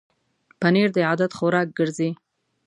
پنېر د عادت خوراک ګرځي.